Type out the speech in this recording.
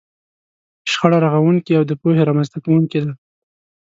شخړه رغونکې او د پوهې رامنځته کوونکې ده.